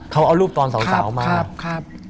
เขาเอารูปตอนสาวมา